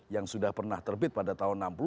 yang sudah pernah terbit pada tahun enam puluh